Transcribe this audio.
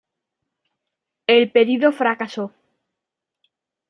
El pedido fracasó.